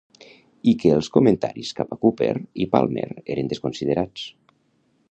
i que els comentaris cap a Cooper i Palmer eren desconsiderats.